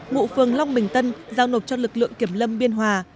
ngụ phường long bình tân giao nộp cho lực lượng kiểm lâm biên hòa